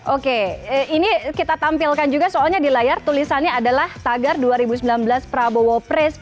oke ini kita tampilkan juga soalnya di layar tulisannya adalah tagar dua ribu sembilan belas prabowo press